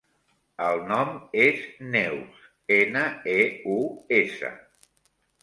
El nom és Neus: ena, e, u, essa.